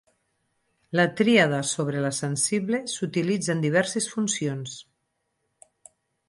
La tríada sobre la sensible s'utilitza en diverses funcions.